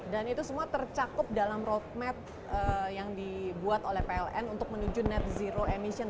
dan itu semua tercakup dalam roadmap yang dibuat oleh pln untuk menuju net zero emission tentunya pak ya